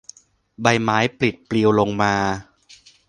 ใบไม้ปลิดปลิวลงมา